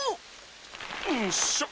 ん⁉んしょ。